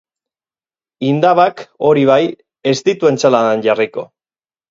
Indabak, hori bai, ez ditu entsaladan jarriko!